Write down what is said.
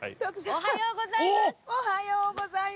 おはようございます。